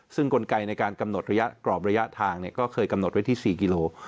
ซึ่งกลไกในการกำหนดระยะกรอบระยะทางก็เคยกำหนดไว้ที่๔กิโล